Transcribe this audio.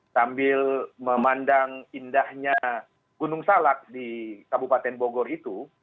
sambil memandang indahnya gunung salak di kabupaten bogor itu